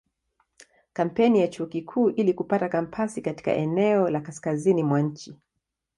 Kampeni ya Chuo Kikuu ili kupata kampasi katika eneo la kaskazini mwa nchi.